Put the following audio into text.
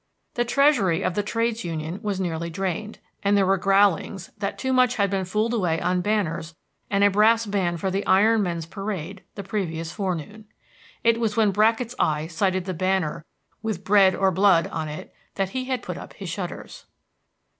The treasury of the trades union was nearly drained, and there were growlings that too much had been fooled away on banners and a brass band for the iron men's parade the previous forenoon. It was when Brackett's eye sighted the banner with "Bread or Blood" on it, that he had put up his shutters.